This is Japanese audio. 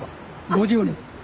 ５０年。